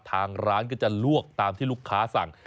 ทางร้านก็จะลวกตามที่ลูกค้าสั่ง